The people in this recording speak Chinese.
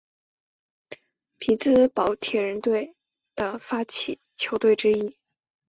匹兹堡铁人队的发起球队之一。